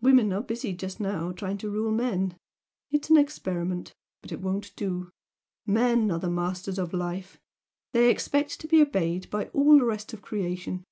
Women are busy just now trying to rule men it's an experiment, but it won't do! Men are the masters of life! They expect to be obeyed by all the rest of creation.